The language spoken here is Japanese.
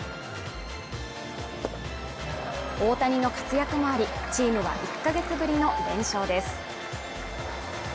大谷の活躍もありチームは１か月ぶりの連勝です